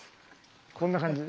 こんな感じ。